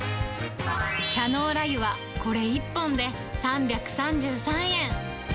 キャノーラ油はこれ１本で３３３円。